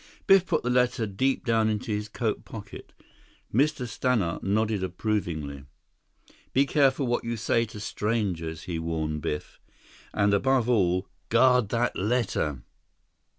Biff put the letter deep down into his coat pocket. Mr. Stannart nodded approvingly. "Be careful what you say to strangers," he warned Biff, "and above all, guard that letter!"